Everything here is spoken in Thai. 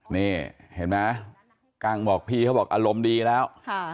นี่เห็นไหมกั้งบอกพี่เขาบอกอารมณ์ดีแล้ว